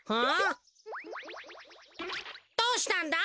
どうしたんだ？